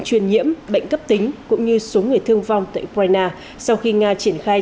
truyền nhiễm bệnh cấp tính cũng như số người thương vong tại ukraine sau khi nga triển khai